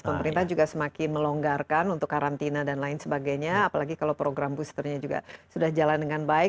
pemerintah juga semakin melonggarkan untuk karantina dan lain sebagainya apalagi kalau program boosternya juga sudah jalan dengan baik